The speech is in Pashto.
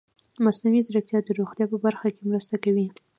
مصنوعي ځیرکتیا د روغتیا په برخه کې مرسته کوي.